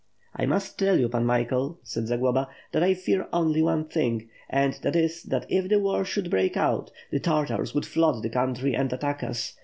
"I must tell you, Pan Michael," said Zagloba, "that I fear only one thing; and, that is, that if the war should break out, the Tartars would flood the country and attack us.